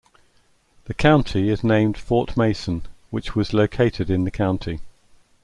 The county is named for Fort Mason, which was located in the county.